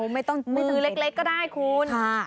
ไม่ต้องไม่ซื้อเล็กก็ได้คุณ